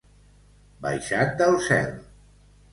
Baixat del cel.